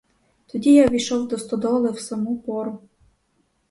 Тоді я ввійшов до стодоли в саму пору.